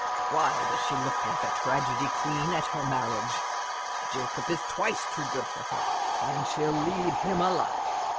Why does she look like a tragedy queen at her marriage? Jacob is twice too good for her, and she'll lead him a life.